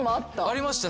ありました。